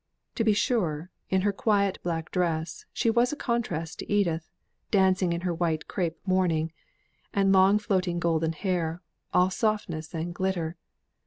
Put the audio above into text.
To be sure, in her quiet black dress, she was a contrast to Edith, dancing in her white crape mourning, and long floating golden hair, all softness and glitter.